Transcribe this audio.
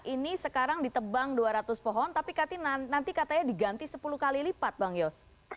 ini sekarang ditebang dua ratus pohon tapi nanti katanya diganti sepuluh kali lipat bang yos